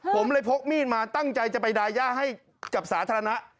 ผมเลยพกมีดมาตั้งใจจะไปดายาให้กับสาธารณะ